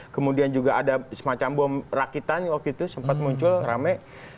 kemudian juga ada semacam bom rakitan waktu itu sempat muncul rame